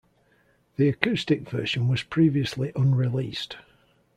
The acoustic version was previously unreleased.